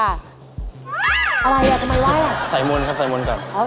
อะไรด่ะทำไมไหว่